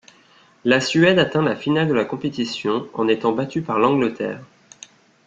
La Suède atteint la finale de la compétition, en étant battue par l'Angleterre.